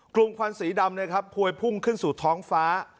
ควันสีดำนะครับพวยพุ่งขึ้นสู่ท้องฟ้า